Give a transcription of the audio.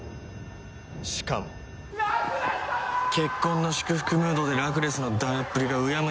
しかも結婚の祝福ムードでラクレスのダメっぷりがうやむやになっちまった。